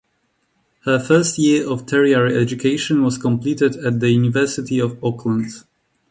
Her first year of tertiary education was completed at the University of Auckland.